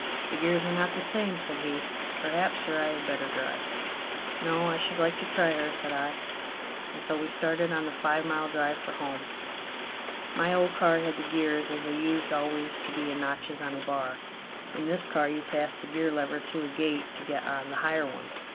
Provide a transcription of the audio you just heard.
"The gears are not the same," said he. "Perhaps, sir, I had better drive." "No; I should like to try her," said I. And so we started on the five mile drive for home. My old car had the gears as they used always to be in notches on a bar. In this car you passed the gear lever through a gate to get on the higher ones.